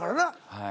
はい。